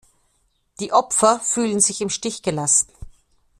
Die Opfer fühlen sich im Stich gelassen.